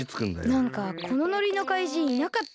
なんかこのノリのかいじんいなかったっけ？